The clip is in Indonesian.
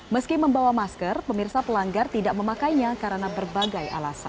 meski membawa masker pemirsa pelanggar tidak memakainya karena berbagai alasan